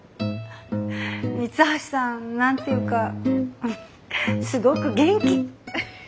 三橋さん何て言うかすごく元気。